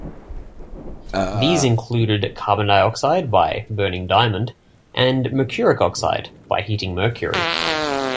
These included carbon dioxide by burning diamond, and mercuric oxide by heating mercury.